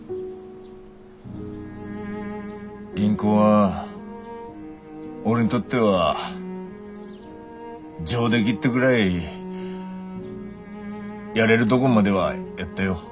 銀行は俺にとっては上出来ってぐらいやれるどごまではやったよ。